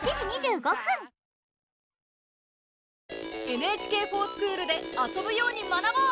「ＮＨＫｆｏｒＳｃｈｏｏｌ」で遊ぶように学ぼう！